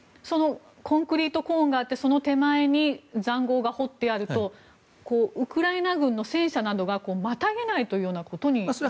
コンクリートコーンがあってその手前に塹壕が掘ってあるとウクライナ軍の戦車などがまたげないということになる？